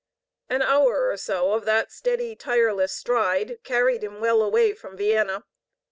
An hour or so of that steady, tireless stride carried him well away from Vienna.